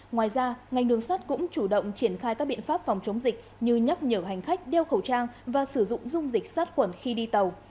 ngoài ra ngành đường sắt cũng chủ động triển khai các biện pháp phòng chống dịch như nhắc nhở hành khách đeo khẩu trang và sử dụng dung dịch sát quẩn khi đi tàu